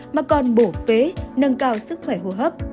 mà còn bổ phế nâng cao sức khỏe hô hấp